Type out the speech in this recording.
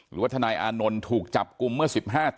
หรือว่าทนายอานนท์ถูกจับกลุ่มเมื่อ๑๕